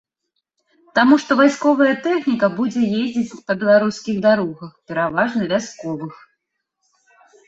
Таму што вайсковая тэхніка будзе ездзіць па беларускіх дарогах, пераважна вясковых.